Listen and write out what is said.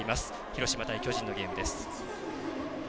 広島対巨人のゲームです。